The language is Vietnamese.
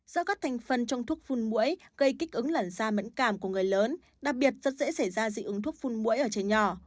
do các thành phần trong thuốc phun mũi gây kích ứng lẩn da mẫn cảm của người lớn đặc biệt rất dễ xảy ra dị ứng thuốc phun mũi ở trẻ nhỏ